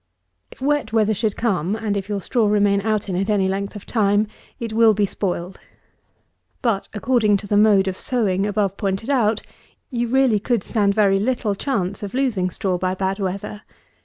If wet weather should come, and if your straw remain out in it any length of time, it will be spoiled; but, according to the mode of sowing above pointed out, you really could stand very little chance of losing straw by bad weather.